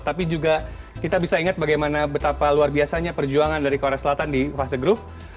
tapi juga kita bisa ingat bagaimana betapa luar biasanya perjuangan dari korea selatan di fase grup